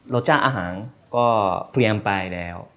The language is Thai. เราจ้างอาหารก็เพรียมไปแล้ว